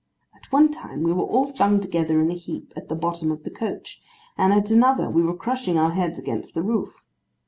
At one time we were all flung together in a heap at the bottom of the coach, and at another we were crushing our heads against the roof.